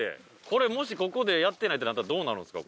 これもしここでやってないってなったらどうなるんですか？